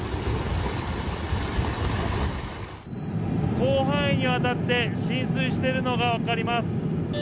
広範囲にわたって浸水しているのが分かります。